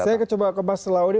saya coba ke mas laudi